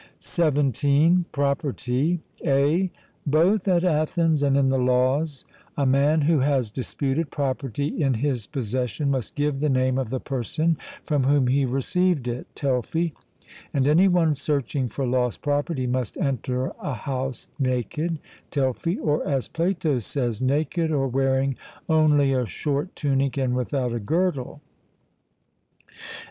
(17) Property. (a) Both at Athens and in the Laws a man who has disputed property in his possession must give the name of the person from whom he received it (Telfy); and any one searching for lost property must enter a house naked (Telfy), or, as Plato says, 'naked, or wearing only a short tunic and without a girdle.